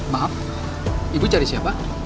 maaf ibu cari siapa